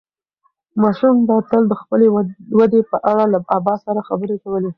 ماشوم به تل د خپلې ودې په اړه له ابا سره خبرې کولې.